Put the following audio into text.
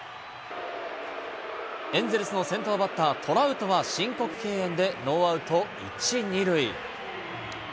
エンゼルスの先頭バッター、トラウトは申告敬遠でノーアウト１、２塁。